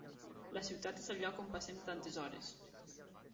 La ciutat és el lloc on passem tantes hores.